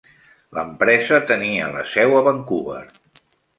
L'empresa tenia la seu a Vancouver.